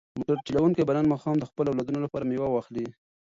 موټر چلونکی به نن ماښام د خپلو اولادونو لپاره مېوه واخلي.